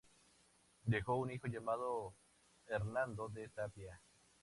Dejó un hijo llamado Hernando de Tapia.